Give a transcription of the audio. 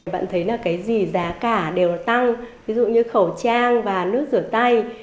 bạn thấy là cái gì giá cả đều tăng ví dụ như khẩu trang và nước rửa tay